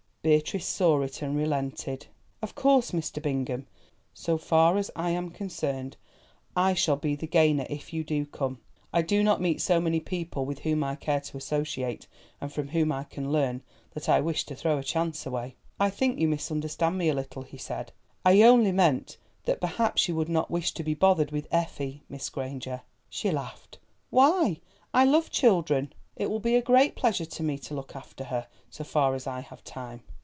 Beatrice saw it and relented. "Of course, Mr. Bingham, so far as I am concerned, I shall be the gainer if you do come. I do not meet so many people with whom I care to associate, and from whom I can learn, that I wish to throw a chance away." "I think you misunderstand me a little," he said; "I only meant that perhaps you would not wish to be bothered with Effie, Miss Granger." She laughed. "Why, I love children. It will be a great pleasure to me to look after her so far as I have time."